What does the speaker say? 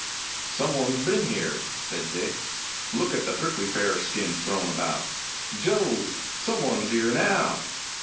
"Some one 's been here," said Dick. "Look at the prickly pear skins thrown about. Jove! Some one's here now!"